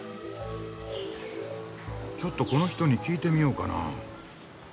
ちょっとこの人に聞いてみようかな。